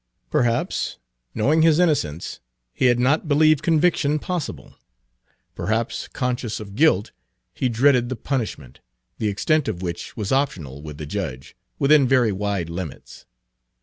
Perhaps, knowing his innocence, he had not believed conviction possible; perhaps, conscious of guilt, he dreaded the punishment, the extent of which was optional with the judge, within very wide limits.